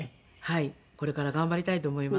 これから頑張りたいと思います。